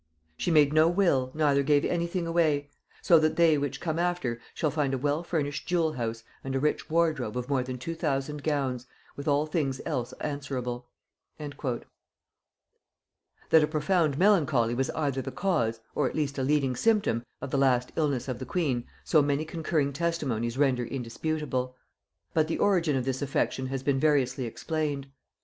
She made no will, neither gave any thing away; so that they which come after shall find a well furnished jewel house and a rich wardrobe of more than two thousand gowns, with all things else answerable." [Note 144: Printed in Nichols's Progresses.] That a profound melancholy was either the cause, or at least a leading symptom, of the last illness of the queen, so many concurring testimonies render indisputable; but the origin of this affection has been variously explained.